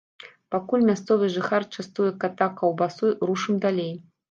Пакуль мясцовы жыхар частуе ката каўбасой, рушым далей.